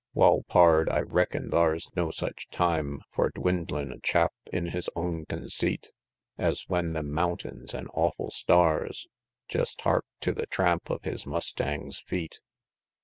Wal, pard, I reckin' thar's no sech time For dwind'lin' a chap in his own conceit, Es when them mountains an' awful stars, Jest hark to the tramp of his mustang's feet.